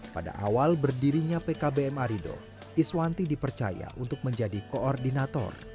pada awal berdirinya pkbm arido iswanti dipercaya untuk menjadi koordinator